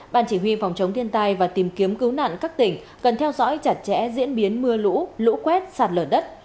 ban chỉ huy phòng chống thiên tai và tìm kiếm cứu nạn các tỉnh cần theo dõi chặt chẽ diễn biến mưa lũ lũ quét sạt lở đất